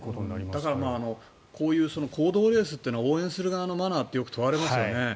だからこういう公道レースは応援する側のマナーがよく問われますよね。